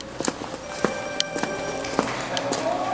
短い。